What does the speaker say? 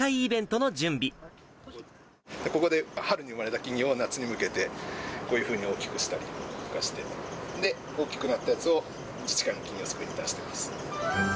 ここで春に生まれた金魚を夏に向けて、こういうふうに大きくしたりとかして、で、大きくなったやつを自治会の金魚すくいに出してます。